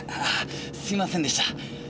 すいませんでした。